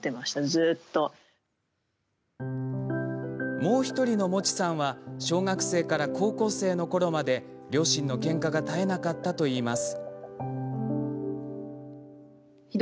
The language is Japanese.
もう１人の、もちさんは小学生から高校生のころまで両親のけんかが絶えなかったといいます。